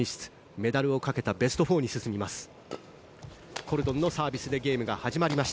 メダルをかけたベスト４に進みます。